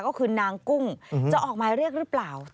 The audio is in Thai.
ก็คือนางกุ้งจะออกหมายเรียกหรือเปล่า